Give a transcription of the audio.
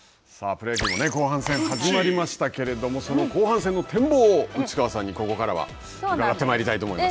プロ野球も後半戦が始まりましたけれども、その後半戦の展望を内川さんに、ここからは伺ってまいりたいと思います。